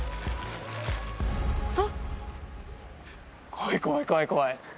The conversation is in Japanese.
怖い怖い怖い怖い。